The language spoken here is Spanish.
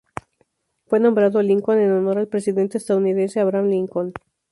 Fue nombrado Lincoln en honor al presidente estadounidense Abraham Lincoln.